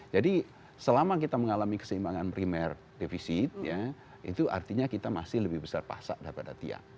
jadi selama kita mengalami keseimbangan primer defisit ya itu artinya kita masih lebih besar pasak daripada tiang